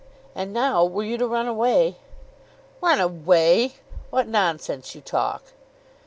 And now were you to run away " "Run away! What nonsense you talk."